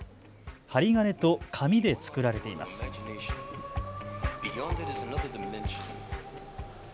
針金と紙で作られています。